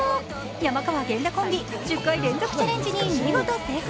山川・源田コンビ、１０回連続チャレンジに見事成功。